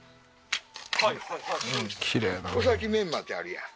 穂先メンマってあるやん？